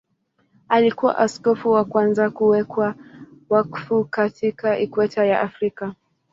Alikuwa askofu wa kwanza kuwekwa wakfu katika Ikweta ya Afrika.